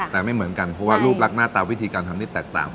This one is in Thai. แต่ไม่เหมือนกันเพราะว่ารูปรักหน้าตาวิธีการทำนี่แตกต่าง